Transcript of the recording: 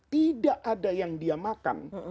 tidak ada yang dia makan